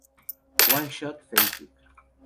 OneShot Facebook